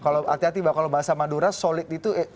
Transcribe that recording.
kalau bahasa madura solid itu